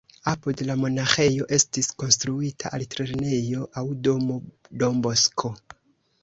Apud la monaĥejo estis konstruita altlernejo aŭ domo Don Bosco.